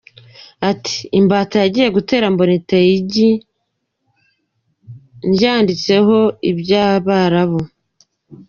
Ati “ Imbata yagiye gutera, mbona iteye igi ryanditseho ibyarabu.